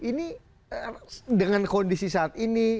ini dengan kondisi saat ini